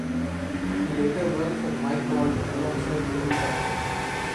He later worked for Mike Baldwin alongside Terry Duckworth.